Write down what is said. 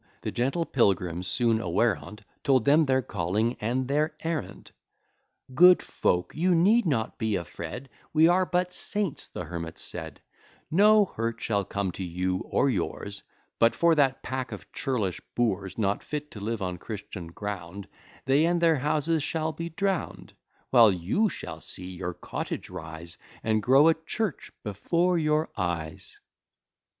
The gentle pilgrims, soon aware on't, Told them their calling and their errand: "Good folk, you need not be afraid, We are but saints," the hermits said; "No hurt shall come to you or yours: But for that pack of churlish boors, Not fit to live on Christian ground, They and their houses shall be drown'd; While you shall see your cottage rise, And grow a church before your eyes."